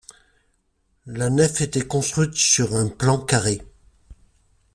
La nef était construite sur un plan carré.